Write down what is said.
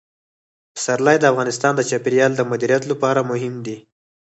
پسرلی د افغانستان د چاپیریال د مدیریت لپاره مهم دي.